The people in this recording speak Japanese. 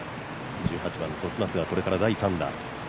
１８番、時松がこれから第３打。